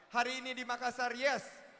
hari ini di makassar yes